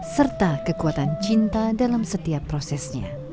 serta kekuatan cinta dalam setiap prosesnya